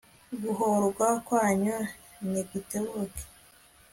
guhorwa kwanyu nigutebuke